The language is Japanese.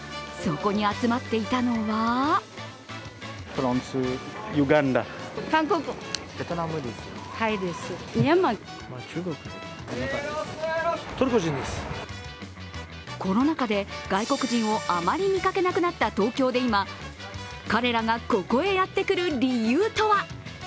そこに集まっていたのはコロナ禍で外国人をあまり見かけなくなった東京で今彼らがここへやってくる理由とは？